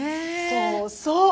そうそう。